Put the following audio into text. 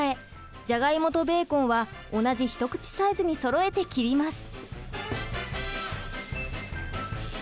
ジャガイモとベーコンは同じ一口サイズにそろえて切ります。